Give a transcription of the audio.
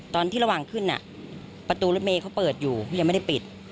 ตอนที่ระหว่างขึ้นอ่ะประตูรถเมย์เขาเปิดอยู่ยังไม่ได้ปิด